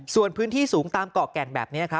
ส่วนพื้นที่สูงตามเกาะแก่งแบบนี้ครับ